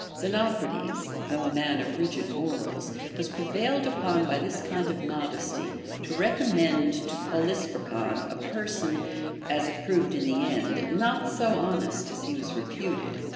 Xenocrates, though a man of rigid morals, was prevailed upon by this kind of modesty to recommend to Polysperchon a person, as it proved in the end, not so honest as he Avas reputed.